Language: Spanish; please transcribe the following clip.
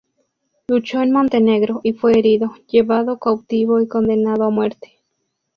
Luchó en Montenegro y fue herido, llevado cautivo y condenado a muerte.